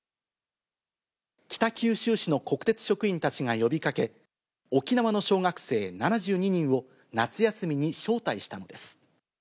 北九州市の国鉄職員たちが呼びかけ、沖縄の小学生７２人を夏休みに招待したのです。